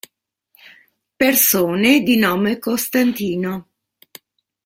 Persone di nome Costantino